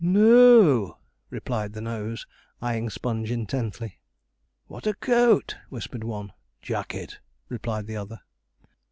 'No o o,' replied the nose, eyeing Sponge intently. 'What a coat!' whispered one. 'Jacket,' replied the other.